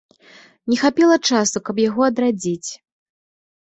Не хапіла часу, каб яго адрадзіць.